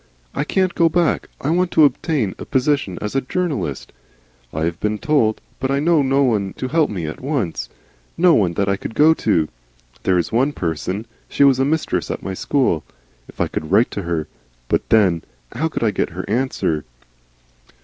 I can't go back. I want to obtain a position as a journalist. I have been told But I know no one to help me at once. No one that I could go to. There is one person She was a mistress at my school. If I could write to her But then, how could I get her answer?"